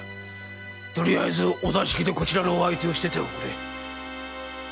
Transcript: とりあえずお座敷でこちらのお相手をしておくれ。